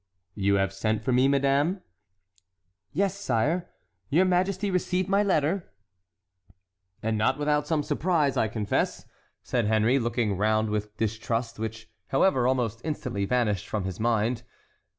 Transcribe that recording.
"You have sent for me, madame?" "Yes, sire. Your majesty received my letter?" "And not without some surprise, I confess," said Henry, looking round with distrust, which, however, almost instantly vanished from his mind.